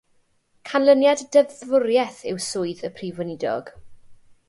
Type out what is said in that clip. Canlyniad deddfwriaeth yw swydd y Prif Weinidog.